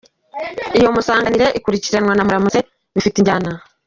Iyo Musanganire akurikirwa na Muramutse bifite injyana.